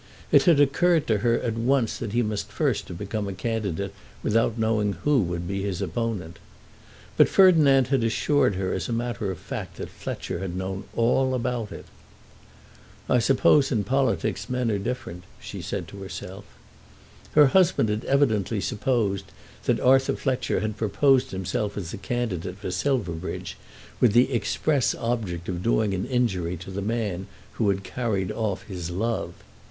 It had occurred to her at once that he must first have become a candidate without knowing who would be his opponent. But Ferdinand had assured her as a matter of fact that Fletcher had known all about it. "I suppose in politics men are different," she said to herself. Her husband had evidently supposed that Arthur Fletcher had proposed himself as a candidate for Silverbridge, with the express object of doing an injury to the man who had carried off his love.